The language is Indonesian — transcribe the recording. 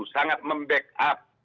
sangat memback up